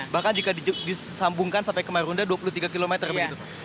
bahkan jika disambungkan sampai ke marunda dua puluh tiga km begitu pak